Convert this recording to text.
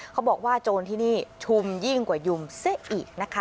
เค้าบอกว่าโจรที่นี่ชุมยิ่งกว่ายุ่มซะอีกนะคะ